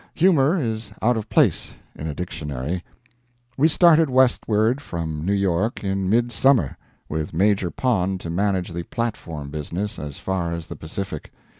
Humor is out of place in a dictionary. We started westward from New York in midsummer, with Major Pond to manage the platform business as far as the Pacific.